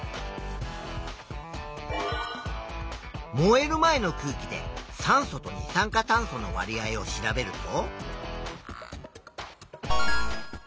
燃える前の空気で酸素と二酸化炭素のわり合を調べると。